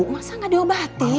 masa gak diobatin